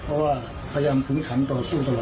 เพราะว่าพยัมคืนขังต่อสู้ตลอดนะครับ